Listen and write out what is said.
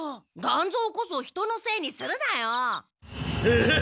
団蔵こそ人のせいにするなよ！